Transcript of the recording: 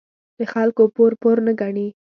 د خلکو پور، پور نه گڼي.